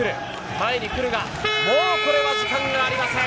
前に来るがもうこれは時間がありません。